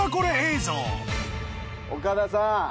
岡田さん